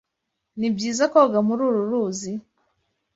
Ni byiza koga muri uru ruzi?